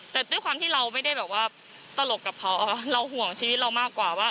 แต่ด้วยความที่เราไม่ได้แบบว่าตลกกับเขาเราห่วงชีวิตเรามากกว่าว่า